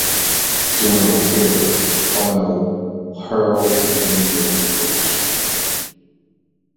General Taylor, Colonel Harrold and Major Wich.